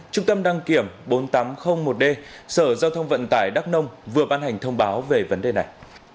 trung tâm đăng kiểm bốn nghìn tám trăm linh một d sở giao thông vận tải đắk nông vừa ban hành thông báo về vấn đề này